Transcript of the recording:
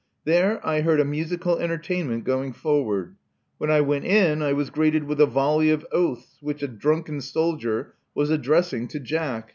There I heard a musical entertainment going forward. When I went in I was greeted with a volley of oaths which, a drunken soldier was addressing to Jack.